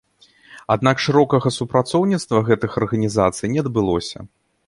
Аднак шырокага супрацоўніцтва гэтых арганізацый не адбылося.